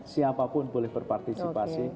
siapapun boleh berpartisipasi